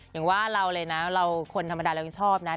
อย่างว่าเราเลยนะเราคนธรรมดาเรายังชอบนะ